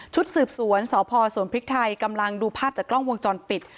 สืบสวนสพสวนพริกไทยกำลังดูภาพจากกล้องวงจรปิด